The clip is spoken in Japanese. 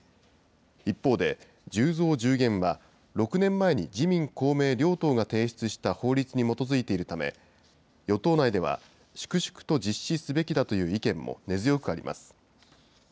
一方で、１０増１０減は６年前に自民、公明両党が提出した法律に基づいているため、与党内では、粛々と実施すべきだという意見も根強くあります。